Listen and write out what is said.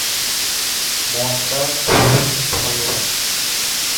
মনটা খুব ভালো।